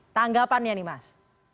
tanggapannya nih mas